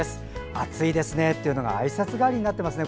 暑いですねっていうのがあいさつ代わりになってますね